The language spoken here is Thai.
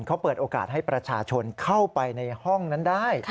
เขาเปิดโอกาสให้ประชาชนเข้าไปในห้องนั้นได้